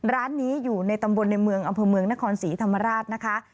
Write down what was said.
ร้านนี้อยู่ในตำบลในเมืองอำเภอเมืองนครศรีธรรมราชนะคะ